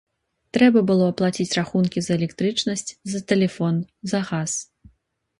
Трэба было аплаціць рахункі за электрычнасць, за тэлефон, за газ.